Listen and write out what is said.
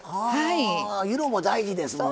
あ色も大事ですもんね。